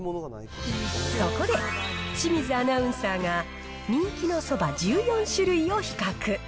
そこで、清水アナウンサーが、人気のそば１４種類を比較。